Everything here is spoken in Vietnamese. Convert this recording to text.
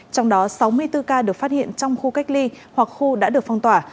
trong đó sáu mươi bốn ca được phát hiện trong khu cách ly hoặc khu đã được phong tỏa